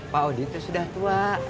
pak odi tuh sudah tua